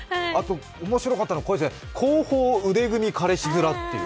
面白かったのが「後方腕組み彼氏面」っていう。